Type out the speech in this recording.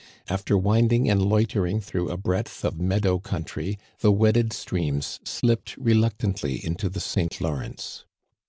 After winding and loitering through a breadth of meadow country, the wedded streams slipped reluc tantly into the Sî. Lawrence.